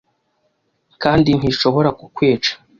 kandi ntishobora kukwica